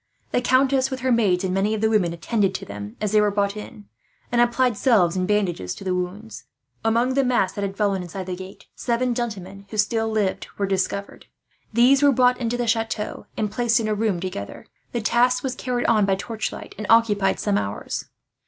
The countess, with her maids and many of the women, attended to them as they were brought in, and applied salves and bandages to the wounds. Among the mass that had fallen inside the gate, seven gentlemen who still lived were discovered. These were brought into the chateau, and placed in a room together. The task was carried on by torchlight, and occupied some hours.